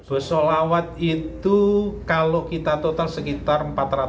bus solawat itu kalau kita total sekitar empat ratus lima puluh